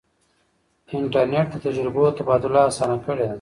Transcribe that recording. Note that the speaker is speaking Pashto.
انټرنیټ د تجربو تبادله اسانه کړې ده.